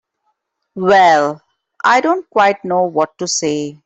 Well—I don't quite know what to say.